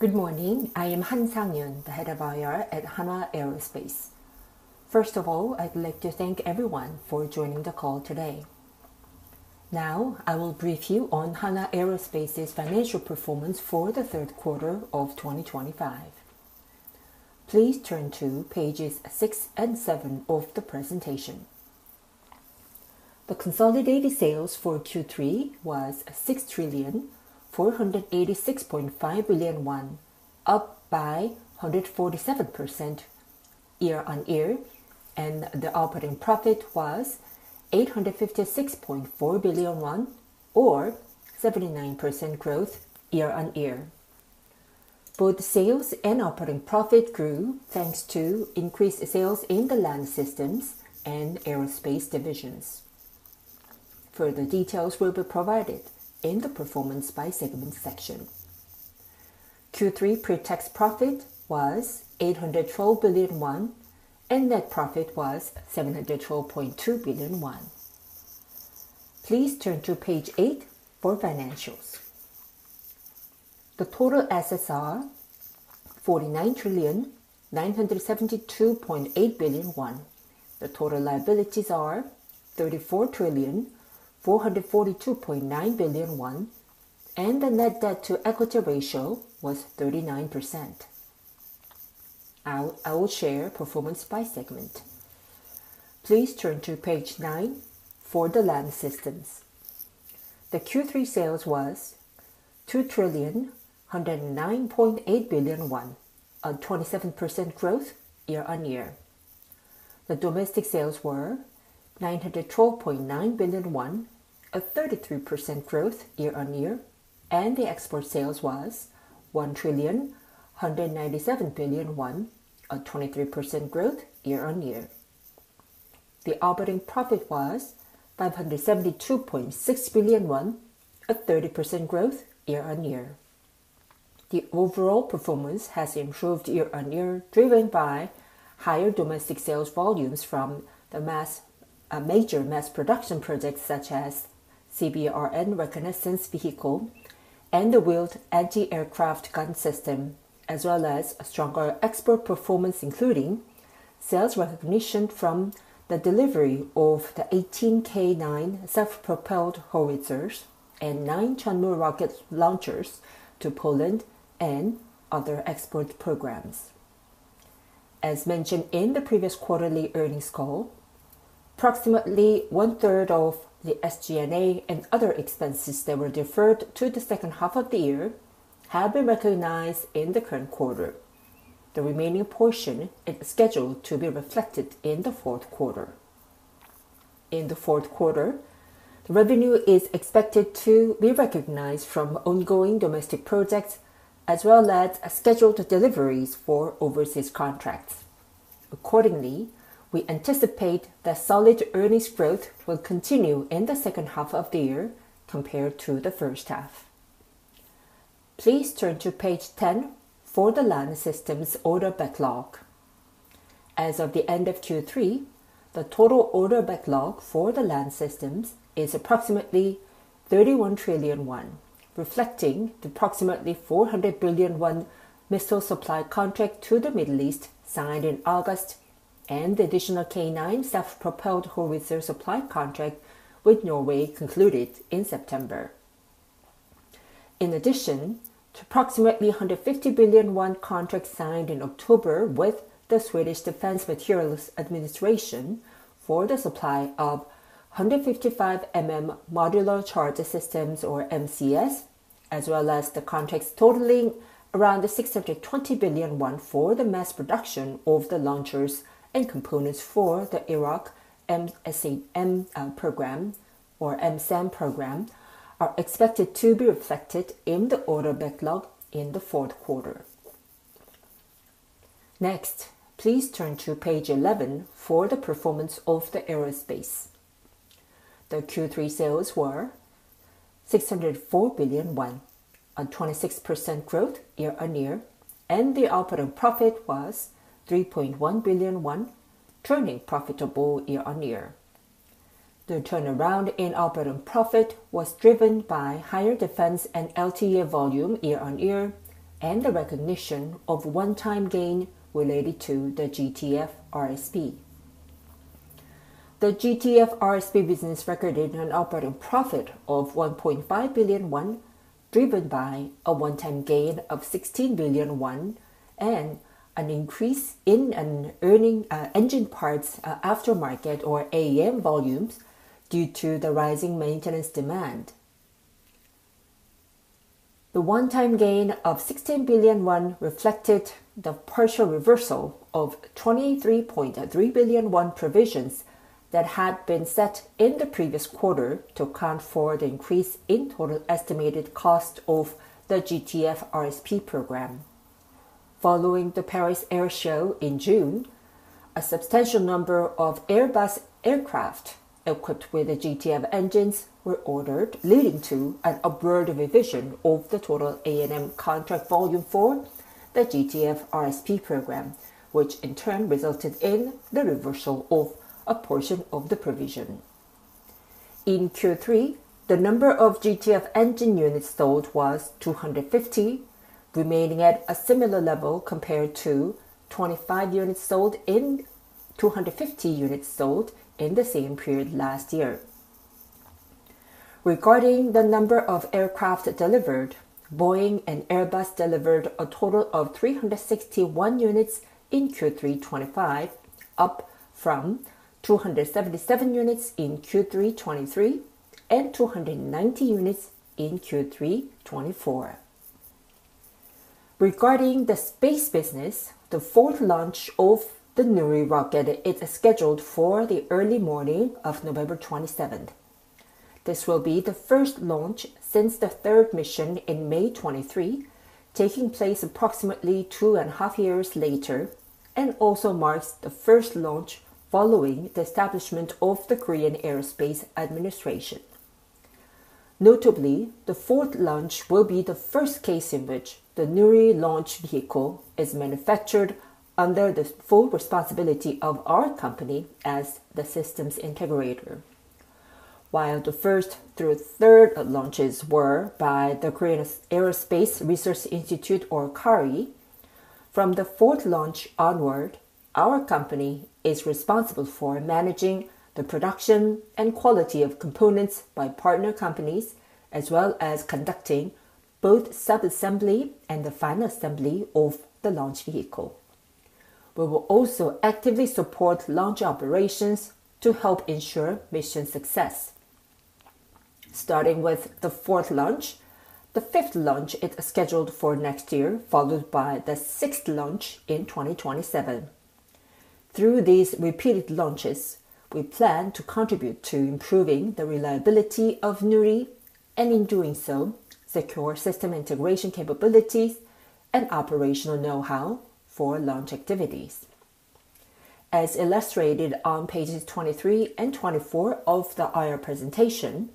Good morning. I am Han Sang-Yun, the Head of IR at Hanwha Aerospace. First of all, I'd like to thank everyone for joining the call today. Now, I will brief you on Hanwha Aerospace's financial performance for the third quarter of 2025. Please turn to pages six and seven of the presentation. The consolidated sales for Q3 was 6 trillion 486.5 billion, up by 147% year-on-year, and the operating profit was 856.4 billion won, or 79% growth year-on-year. Both sales and operating profit grew thanks to increased sales in the Land Systems and Aerospace Divisions. Further details will be provided in the performance by segment section. Q3 pretax profit was 812 billion won, and net profit was 712.2 billion won. Please turn to page eight for financials. The total assets are 49 trillion 972.8 billion. The total liabilities are 34 trillion 442.9 billion, and the net debt-to-equity ratio was 39%. I will share performance by segment. Please turn to page nine for the Land Systems. The Q3 sales was 2 trillion 109.8 billion, a 27% growth year-on-year. The domestic sales were 912.9 billion won, a 33% growth year-on-year, and the export sales was 1 trillion 197 billion, a 23% growth year-on-year. The operating profit was 572.6 billion won, a 30% growth year-on-year. The overall performance has improved year-on-year, driven by higher domestic sales volumes from the major mass production projects such as CBRN reconnaissance vehicle and the wheeled anti-aircraft gun system, as well as a stronger export performance, including sales recognition from the delivery of the 18 K9 self-propelled howitzers and 9 Chunmoo rocket launchers to Poland and other export programs. As mentioned in the previous quarterly earnings call, approximately one-third of the SG&A and other expenses that were deferred to the second half of the year have been recognized in the current quarter. The remaining portion is scheduled to be reflected in the fourth quarter. In the fourth quarter, revenue is expected to be recognized from ongoing domestic projects as well as scheduled deliveries for overseas contracts. Accordingly, we anticipate that solid earnings growth will continue in the second half of the year compared to the first half. Please turn to page 10 for the Land Systems order backlog. As of the end of Q3, the total order backlog for the Land Systems is approximately 31 trillion won, reflecting the approximately 400 billion won missile supply contract to the Middle East signed in August and the additional K9 self-propelled howitzer supply contract with Norway concluded in September. In addition, approximately 150 billion won contract signed in October with the Swedish Defence Materiel Administration for the supply of 155mm Modular Charge Systems, or MCS, as well as the contracts totaling around 620 billion won for the mass production of the launchers and components for the Iraq M-SAM program, or M-SAM program, are expected to be reflected in the order backlog in the fourth quarter. Next, please turn to page 11 for the performance of the Aerospace. The Q3 sales were 604 billion won, a 26% growth year-on-year, and the operating profit was 3.1 billion won, turning profitable year-on-year. The turnaround in operating profit was driven by higher defense and LTA volume year-on-year and the recognition of one-time gain related to the GTF RSP. The GTF RSP business recorded an operating profit of 1.5 billion won, driven by a one-time gain of 16 billion won and an increase in earnings, engine parts aftermarket, or A&M volumes, due to the rising maintenance demand. The one-time gain of 16 billion won reflected the partial reversal of 23.3 billion won provisions that had been set in the previous quarter to account for the increase in total estimated cost of the GTF RSP program. Following the Paris Air Show in June, a substantial number of Airbus aircraft equipped with the GTF engines were ordered, leading to an upward revision of the total A&M contract volume for the GTF RSP program, which in turn resulted in the reversal of a portion of the provision. In Q3, the number of GTF engine units sold was 250, remaining at a similar level compared to 250 units sold in the same period last year. Regarding the number of aircraft delivered, Boeing and Airbus delivered a total of 361 units in Q3 2025, up from 277 units in Q3 2023 and 290 units in Q3 2024. Regarding the space business, the fourth launch of the Nuri rocket is scheduled for the early morning of November 27th. This will be the first launch since the third mission in May 2023, taking place approximately two and a half years later, and also marks the first launch following the establishment of the Korea Aerospace Administration. Notably, the fourth launch will be the first case in which the Nuri launch vehicle is manufactured under the full responsibility of our company as the systems integrator, while the first through third launches were by the Korean Aerospace Research Institute, or KARI. From the fourth launch onward, our company is responsible for managing the production and quality of components by partner companies, as well as conducting both subassembly and the final assembly of the launch vehicle. We will also actively support launch operations to help ensure mission success. Starting with the fourth launch, the fifth launch is scheduled for next year, followed by the sixth launch in 2027. Through these repeated launches, we plan to contribute to improving the reliability of Nuri and, in doing so, secure system integration capabilities and operational know-how for launch activities. As illustrated on pages 23 and 24 of the IR presentation,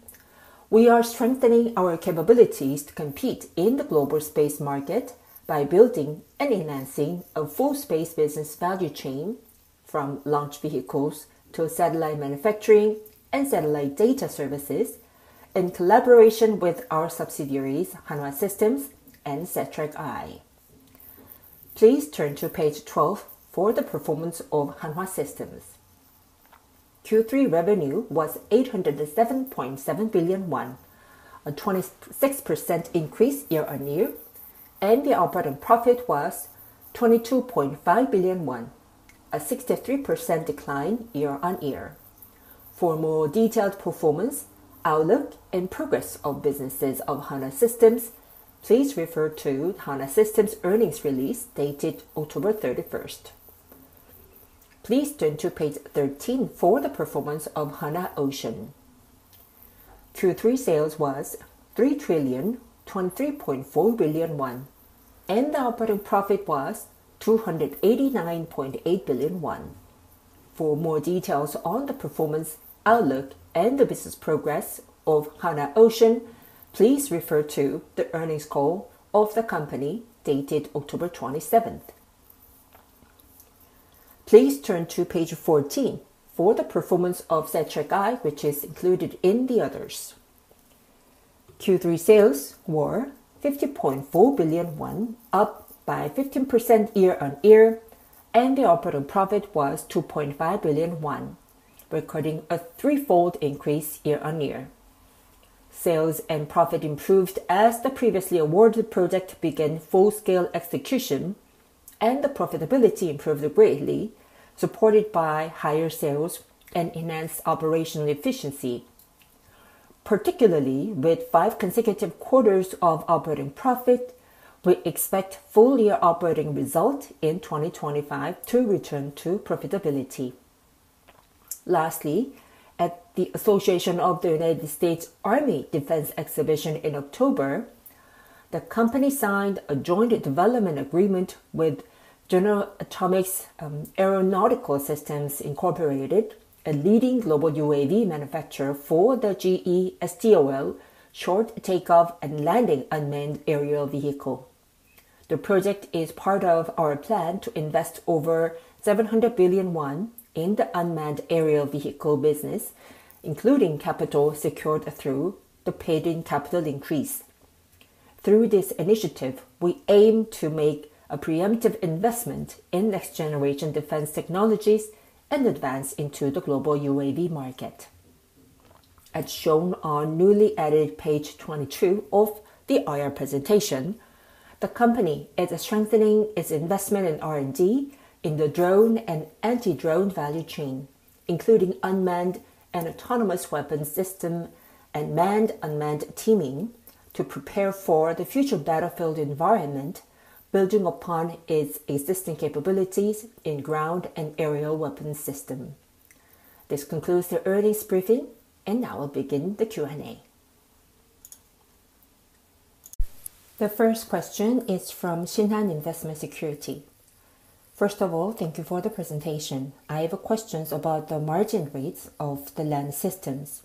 we are strengthening our capabilities to compete in the global space market by building and enhancing a full space business value chain, from launch vehicles to satellite manufacturing and satellite data services, in collaboration with our subsidiaries, Hanwha Systems and Satrec I. Please turn to page 12 for the performance of Hanwha Systems. Q3 revenue was 807.7 billion won, a 26% increase year-on-year, and the operating profit was 22.5 billion won, a 63% decline year-on-year. For more detailed performance, outlook, and progress of businesses of Hanwha Systems, please refer to Hanwha Systems' earnings release dated October 31st. Please turn to page 13 for the performance of Hanwha Ocean. Q3 sales was 3 trillion 23.4 billion, and the operating profit was 289.8 billion won. For more details on the performance, outlook, and the business progress of Hanwha Ocean, please refer to the earnings call of the company dated October 27th. Please turn to page 14 for the performance of Satrec I, which is included in the others. Q3 sales were 50.4 billion won, up by 15% year-on-year, and the operating profit was 2.5 billion won, recording a threefold increase year-on-year. Sales and profit improved as the previously awarded project began full-scale execution, and the profitability improved greatly, supported by higher sales and enhanced operational efficiency. Particularly, with five consecutive quarters of operating profit, we expect full-year operating result in 2025 to return to profitability. Lastly, at the Association of the United States Army Defense Exhibition in October, the company signed a joint development agreement with General Atomics Aeronautical Systems, Inc., a leading global UAV manufacturer for the GA STOL short takeoff and landing unmanned aerial vehicle. The project is part of our plan to invest over 700 billion won in the unmanned aerial vehicle business, including capital secured through the paid-in capital increase. Through this initiative, we aim to make a preemptive investment in next-generation defense technologies and advance into the global UAV market. As shown on newly added page 22 of the IR presentation, the company is strengthening its investment in R&D in the drone and anti-drone value chain, including unmanned and autonomous weapons system and manned-unmanned teaming, to prepare for the future battlefield environment, building upon its existing capabilities in ground and aerial weapons system. This concludes the earnings briefing, and now we'll begin the Q&A. The first question is from Shinhan Investment & Securities. First of all, thank you for the presentation. I have questions about the margin rates of the Land Systems.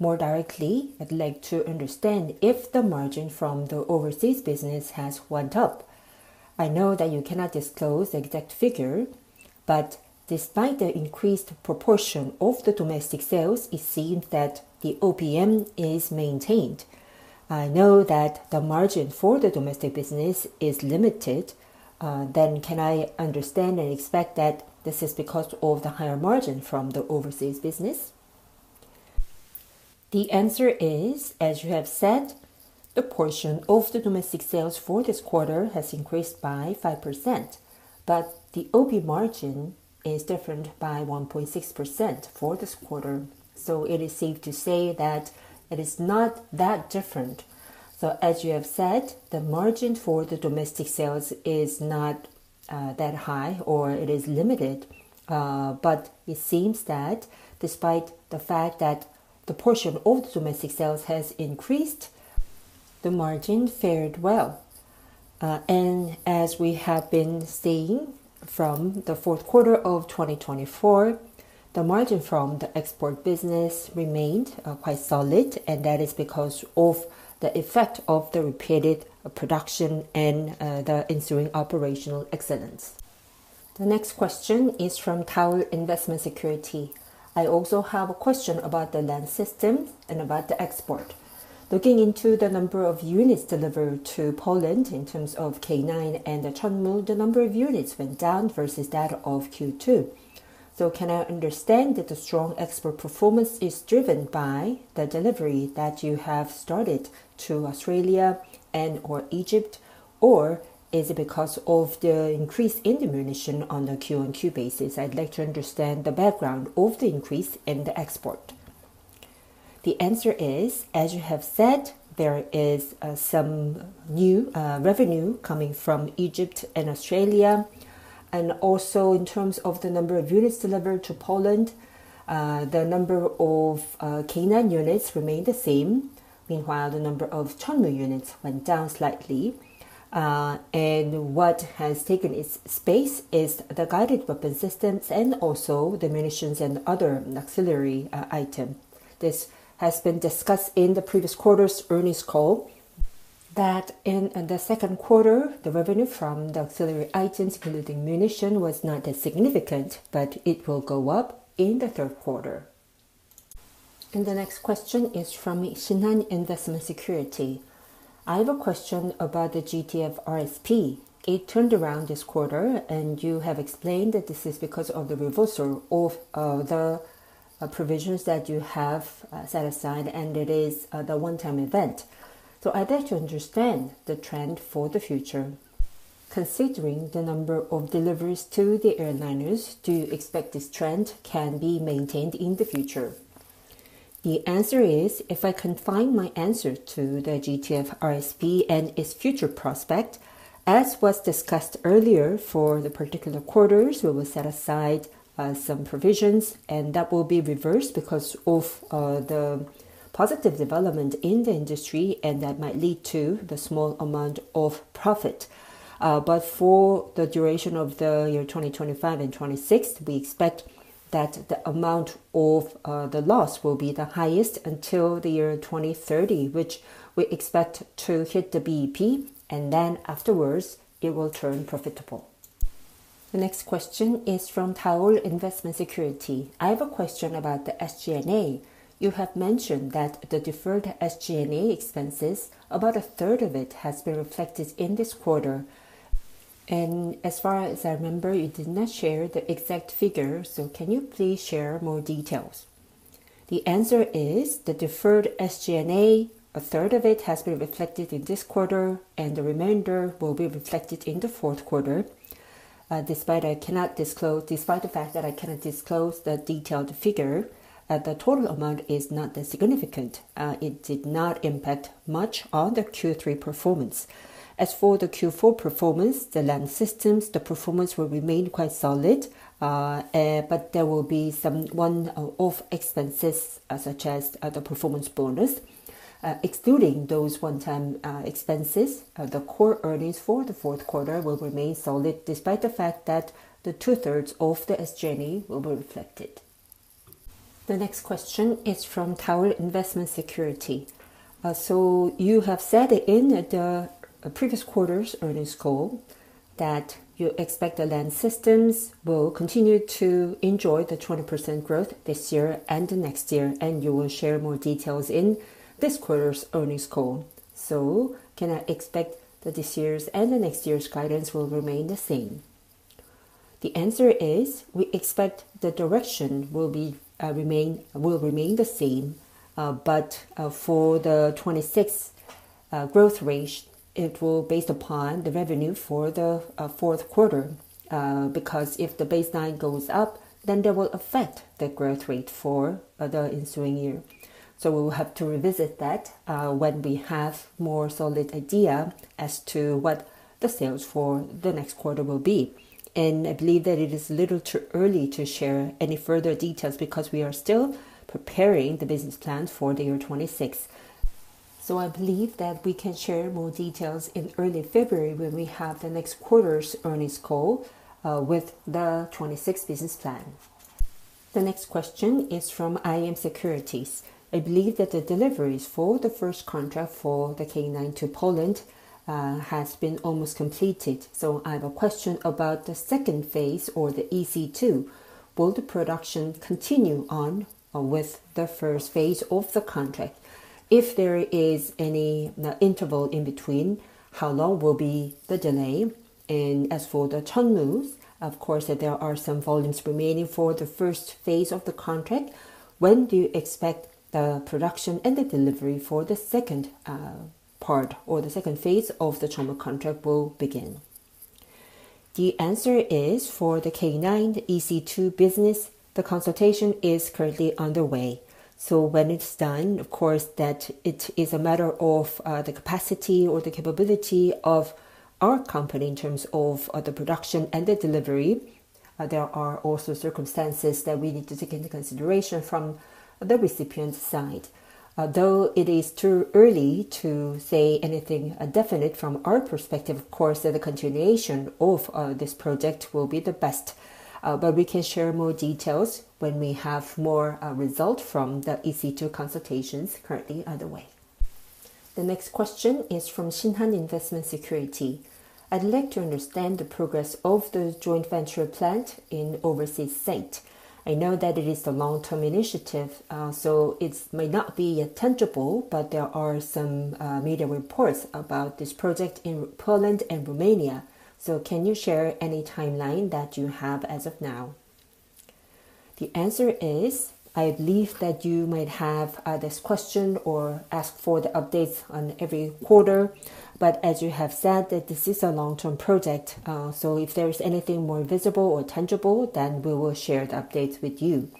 More directly, I'd like to understand if the margin from the overseas business has went up. I know that you cannot disclose the exact figure, but despite the increased proportion of the domestic sales, it seems that the OPM is maintained. I know that the margin for the domestic business is limited. Then, can I understand and expect that this is because of the higher margin from the overseas business? The answer is, as you have said, the portion of the domestic sales for this quarter has increased by 5%, but the OP margin is different by 1.6% for this quarter. So it is safe to say that it is not that different. So, as you have said, the margin for the domestic sales is not that high, or it is limited. But it seems that despite the fact that the portion of the domestic sales has increased, the margin fared well. And as we have been seeing from the fourth quarter of 2024, the margin from the export business remained quite solid, and that is because of the effect of the repeated production and the ensuing operational excellence. The next question is from Taurus Investment & Securities. I also have a question about the Land Systems and about the export. Looking into the number of units delivered to Poland in terms of K9 and the Chunmoo, the number of units went down versus that of Q2. So can I understand that the strong export performance is driven by the delivery that you have started to Australia and/or Egypt, or is it because of the increase in the munition on the Q on Q basis? I'd like to understand the background of the increase in the export. The answer is, as you have said, there is some new revenue coming from Egypt and Australia. And also, in terms of the number of units delivered to Poland, the number of K9 units remained the same. Meanwhile, the number of Chunmoo units went down slightly. And what has taken its space is the guided weapon systems and also the munitions and other auxiliary items. This has been discussed in the previous quarter's earnings call that in the second quarter, the revenue from the auxiliary items, including munition, was not that significant, but it will go up in the third quarter, and the next question is from Shinhan Investment & Securities. I have a question about the GTF RSP. It turned around this quarter, and you have explained that this is because of the reversal of the provisions that you have set aside, and it is the one-time event. So I'd like to understand the trend for the future. Considering the number of deliveries to the airliners, do you expect this trend can be maintained in the future? The answer is, if I can find my answer to the GTF RSP and its future prospect, as was discussed earlier for the particular quarters, we will set aside some provisions, and that will be reversed because of the positive development in the industry, and that might lead to the small amount of profit. But for the duration of the year 2025 and 2026, we expect that the amount of the loss will be the highest until the year 2030, which we expect to hit the BEP, and then afterwards, it will turn profitable. The next question is from Taurus Investment & Securities. I have a question about the SG&A. You have mentioned that the deferred SG&A expenses, about a third of it has been reflected in this quarter. And as far as I remember, you did not share the exact figure, so can you please share more details? The answer is, the deferred SG&A, a third of it has been reflected in this quarter, and the remainder will be reflected in the fourth quarter. Despite I cannot disclose, despite the fact that I cannot disclose the detailed figure, the total amount is not that significant. It did not impact much on the Q3 performance. As for the Q4 performance, the Land Systems performance will remain quite solid, but there will be some one-off expenses, such as the performance bonus. Excluding those one-time expenses, the core earnings for the fourth quarter will remain solid, despite the fact that the two-thirds of the SG&A will be reflected. The next question is from Taurus Investment & Securities. So you have said in the previous quarter's earnings call that you expect the Land Systems will continue to enjoy the 20% growth this year and the next year, and you will share more details in this quarter's earnings call. So can I expect that this year's and the next year's guidance will remain the same? The answer is, we expect the direction will be, remain, will remain the same, but, for the 2026 growth rate, it will be based upon the revenue for the, fourth quarter, because if the baseline goes up, then that will affect the growth rate for the ensuing year. So we will have to revisit that, when we have a more solid idea as to what the sales for the next quarter will be. I believe that it is a little too early to share any further details because we are still preparing the business plan for 2026. I believe that we can share more details in early February when we have the next quarter's earnings call, with the 2026 business plan. The next question is from iM Securities. I believe that the deliveries for the first contract for the K9 to Poland have been almost completed. I have a question about the second phase or the EC2. Will the production continue on with the first phase of the contract? If there is any interval in between, how long will be the delay? As for the Chunmoos, of course, there are some volumes remaining for the first phase of the contract. When do you expect the production and the delivery for the second, part or the second phase of the Chunmoo contract will begin? The answer is for the K9, the EC2 business. The consultation is currently underway. So when it's done, of course that it is a matter of the capacity or the capability of our company in terms of the production and the delivery. There are also circumstances that we need to take into consideration from the recipient's side. Though it is too early to say anything definite from our perspective, of course that the continuation of this project will be the best, but we can share more details when we have more results from the EC2 consultations currently underway. The next question is from Shinhan Investment & Securities. I'd like to understand the progress of the joint venture plant in overseas site. I know that it is a long-term initiative, so it might not be tangible, but there are some media reports about this project in Poland and Romania. So can you share any timeline that you have as of now? The answer is, I believe that you might have this question or ask for the updates on every quarter, but as you have said, that this is a long-term project. So if there's anything more visible or tangible, then we will share the updates with you.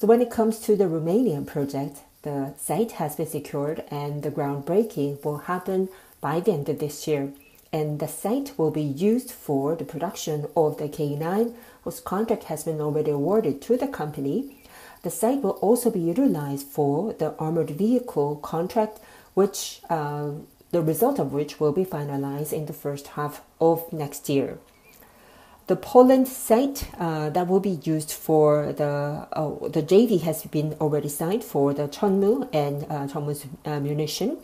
So when it comes to the Romanian project, the site has been secured, and the groundbreaking will happen by the end of this year, and the site will be used for the production of the K9, whose contract has been already awarded to the company. The site will also be utilized for the armored vehicle contract, which, the result of which will be finalized in the first half of next year. The Poland site, that will be used for the JV has been already signed for the Chunmoo and Chunmoo's munition,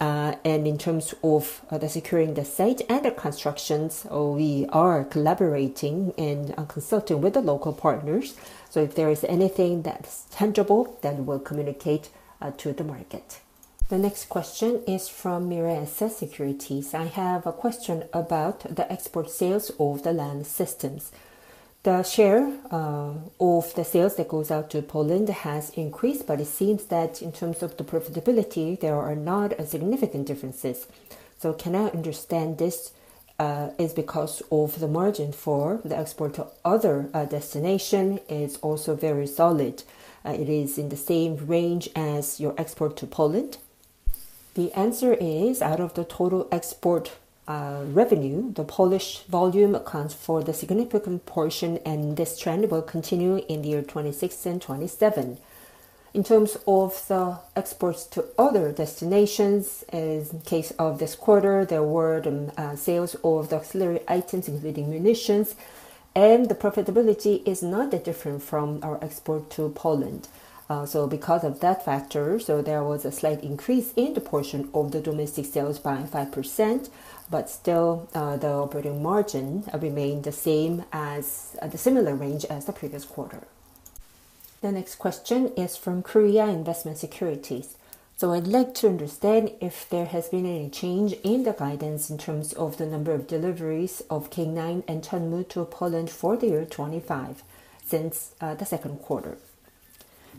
and in terms of the securing the site and the constructions, we are collaborating and consulting with the local partners. So if there is anything that's tangible, then we'll communicate to the market. The next question is from Mirae Asset Securities. I have a question about the export sales of the Land Systems. The share of the sales that goes out to Poland has increased, but it seems that in terms of the profitability, there are not significant differences. So can I understand this is because of the margin for the export to other destination is also very solid. It is in the same range as your export to Poland? The answer is, out of the total export revenue, the Polish volume accounts for the significant portion, and this trend will continue in 2026 and 2027. In terms of the exports to other destinations, in the case of this quarter, there were sales of the auxiliary items, including munitions, and the profitability is not that different from our export to Poland, so because of that factor, there was a slight increase in the portion of the domestic sales by 5%, but still, the operating margin remained the same as the similar range as the previous quarter. The next question is from Korea Investment & Securities. I'd like to understand if there has been any change in the guidance in terms of the number of deliveries of K9 and Chunmoo to Poland for the year 2025 since the second quarter.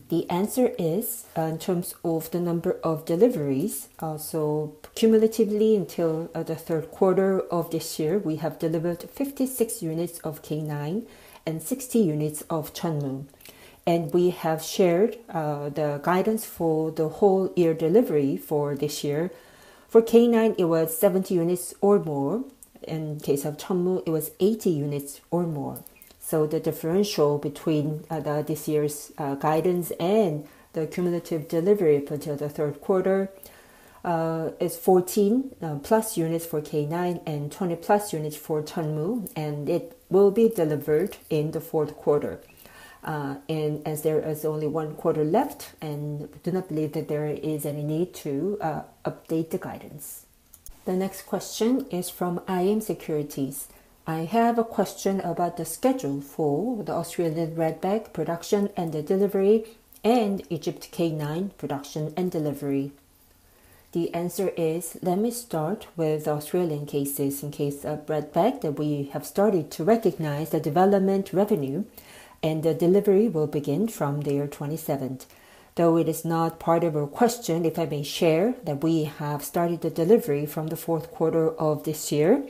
The answer is, in terms of the number of deliveries, so cumulatively until the third quarter of this year, we have delivered 56 units of K9 and 60 units of Chunmoo. And we have shared the guidance for the whole year delivery for this year. For K9, it was 70 units or more. In case of Chunmoo, it was 80 units or more. So the differential between this year's guidance and the cumulative delivery for the third quarter is 14 plus units for K9 and 20 plus units for Chunmoo, and it will be delivered in the fourth quarter. As there is only one quarter left, I do not believe that there is any need to update the guidance. The next question is from iM Securities. I have a question about the schedule for the Australian Redback production and the delivery and Egypt K9 production and delivery. The answer is, let me start with the Australian cases. In case of Redback, that we have started to recognize the development revenue and the delivery will begin from the year 2027. Though it is not part of our question, if I may share that we have started the delivery from the fourth quarter of this year,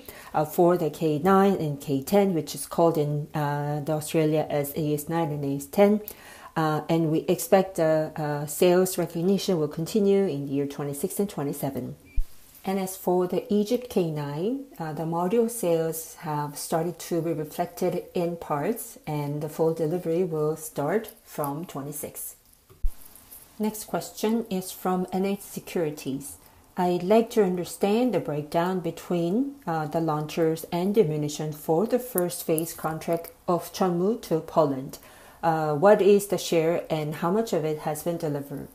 for the K9 and K10, which is called in Australia as AS9 and AS10. And we expect the sales recognition will continue in the year 2026 and 2027. As for the Egypt K9, the module sales have started to be reflected in parts, and the full delivery will start from 2026. Next question is from NH Securities. I'd like to understand the breakdown between the launchers and the munitions for the first phase contract of Chunmoo to Poland. What is the share and how much of it has been delivered?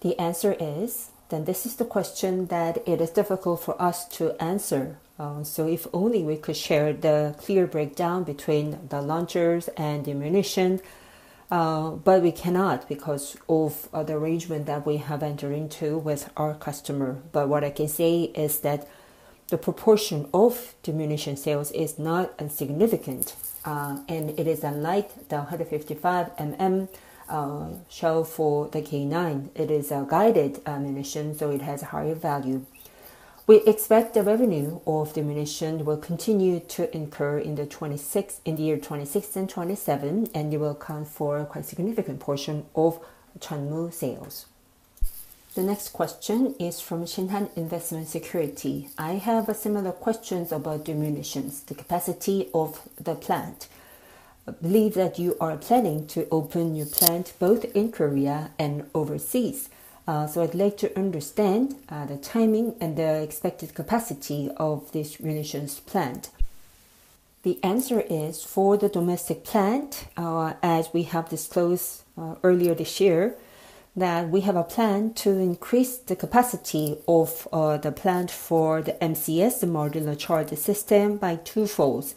The answer is, then this is the question that it is difficult for us to answer. So if only we could share the clear breakdown between the launchers and the munitions, but we cannot because of the arrangement that we have entered into with our customer. But what I can say is that the proportion of the munition sales is not insignificant, and it is unlike the 155mm shell for the K9. It is a guided munition, so it has a higher value. We expect the revenue of the munitions will continue to incur in 2026, in the year 2026 and 2027, and it will account for a quite significant portion of Chunmoo sales. The next question is from Shinhan Investment & Securities. I have similar questions about the munitions, the capacity of the plant. I believe that you are planning to open your plant both in Korea and overseas, so I'd like to understand the timing and the expected capacity of this munitions plant? The answer is for the domestic plant, as we have disclosed earlier this year that we have a plan to increase the capacity of the plant for the MCS, the Modular Charge System, by twofold.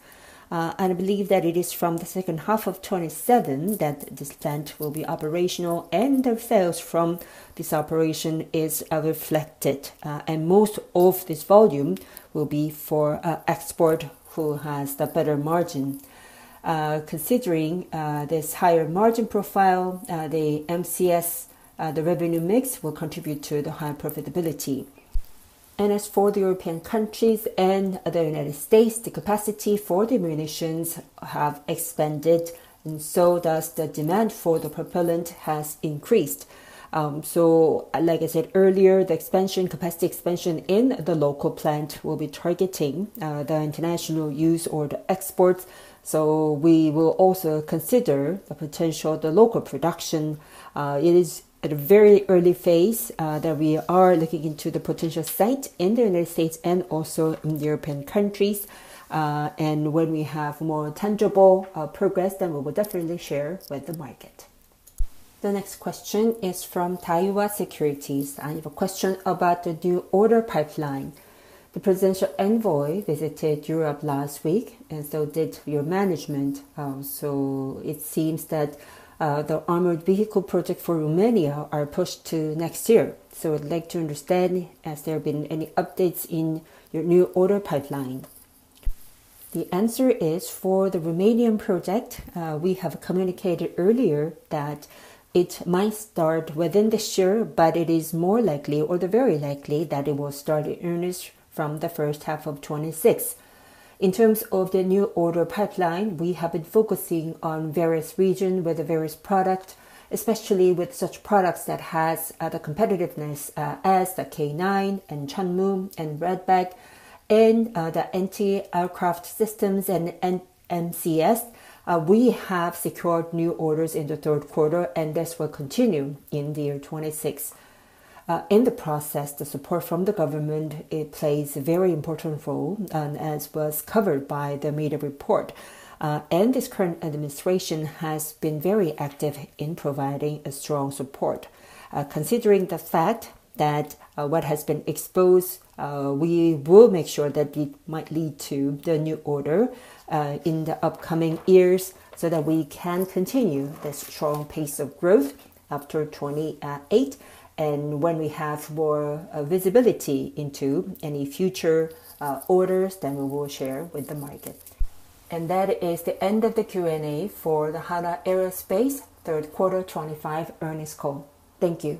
And I believe that it is from the second half of 2027 that this plant will be operational, and the sales from this operation is reflected, and most of this volume will be for export, which has the better margin. Considering this higher margin profile, the MCS, the revenue mix will contribute to the higher profitability. As for the European countries and the United States, the capacity for the munitions has expanded, and so does the demand for the propellant has increased. Like I said earlier, the expansion, capacity expansion in the local plant will be targeting the international use or the exports. We will also consider the potential of the local production. It is at a very early phase that we are looking into the potential site in the United States and also in the European countries. And when we have more tangible progress, then we will definitely share with the market. The next question is from Daiwa Securities. I have a question about the new order pipeline. The presidential envoy visited Europe last week, and so did your management. So it seems that the armored vehicle project for Romania is pushed to next year. So I'd like to understand, has there been any updates in your new order pipeline? The answer is for the Romanian project. We have communicated earlier that it might start within this year, but it is more likely, or the very likely, that it will start in earnest from the first half of 2026. In terms of the new order pipeline, we have been focusing on various regions with various products, especially with such products that have the competitiveness, as the K9 and Chunmoo and Redback and the anti-aircraft systems and MCS. We have secured new orders in the third quarter, and this will continue in the year 2026. In the process, the support from the government plays a very important role, and as was covered by the media report, this current administration has been very active in providing strong support. Considering the fact that what has been exposed, we will make sure that it might lead to the new order in the upcoming years so that we can continue this strong pace of growth after 2028. When we have more visibility into any future orders, then we will share with the market. That is the end of the Q&A for the Hanwha Aerospace Third Quarter 2025 Earnings Call. Thank you.